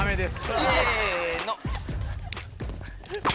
せの。